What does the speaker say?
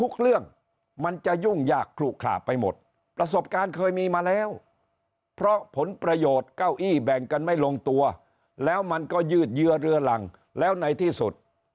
เรื่องมันจะยุ่งยากขลุขลาไปหมดประสบการณ์เคยมีมาแล้วเพราะผลประโยชน์เก้าอี้แบ่งกันไม่ลงตัวแล้วมันก็ยืดเยื้อเรือหลังแล้วในที่สุด